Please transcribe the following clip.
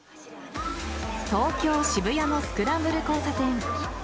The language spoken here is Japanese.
東京・渋谷のスクランブル交差点。